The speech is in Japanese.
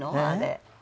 あれ。